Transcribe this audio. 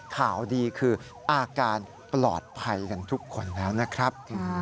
ข่าวดีคืออาการปลอดภัยกันทุกคนแล้วนะครับ